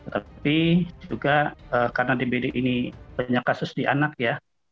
tapi juga karena dbd ini banyak kasus di anak ya